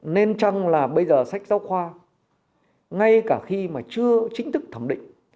nên chăng là bây giờ sách giáo khoa ngay cả khi mà chưa chính thức thẩm định